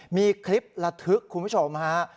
มีคลิประทึกคุณผู้ชมฮะ